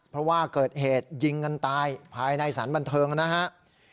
เพราะว่าเกิดเหตุยิงกันตายภายในสารบันเทิงนะครับ